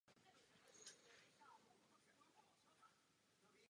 Hunter a Brest byli zatčeni.